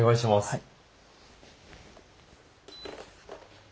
はい。